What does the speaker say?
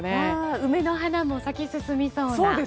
梅の花も咲き進みそうな。